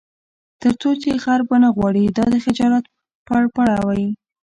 تر څو چې غرب ونه غواړي دا د خجالت پرپړه وي.